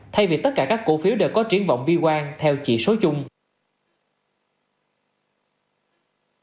thay vì tất cả các cổ phiếu đều có triển vọng bi quan theo chỉ số chung